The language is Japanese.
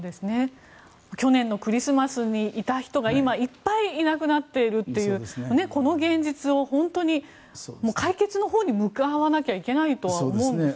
去年のクリスマスにいた人が今、いっぱいいなくなっているというこの現実を本当に解決のほうに向かわなきゃいけないですよね。